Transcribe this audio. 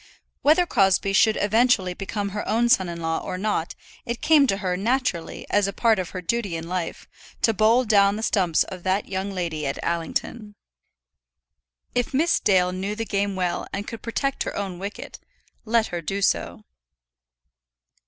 Whether Crosbie should eventually become her own son in law or not it came to her naturally, as a part of her duty in life, to bowl down the stumps of that young lady at Allington. If Miss Dale knew the game well and could protect her own wicket, let her do so.